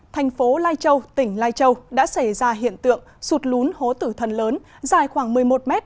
thành phố lai châu tỉnh lai châu đã xảy ra hiện tượng sụt lún hố tử thần lớn dài khoảng một mươi một m